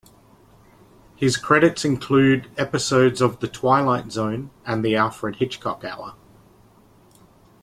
His credits include episodes of "The Twilight Zone" and "The Alfred Hitchcock Hour".